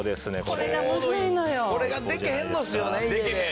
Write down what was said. これがでけへんのですよね家で。